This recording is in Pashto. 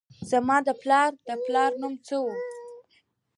زما د پلار د پلار نوم څه و؟